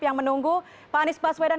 yang menunggu pak anies baswedan